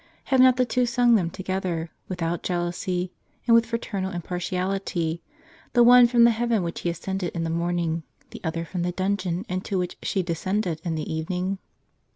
Have not the two sung them together, without jealousy, and with fraternal impartiality, the one from the heaven which he as cended in the morning, the other from the dungeon into which she descended in the evening?